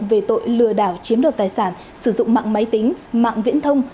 về tội lừa đảo chiếm đoạt tài sản sử dụng mạng máy tính mạng viễn thông